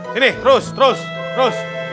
sini terus terus terus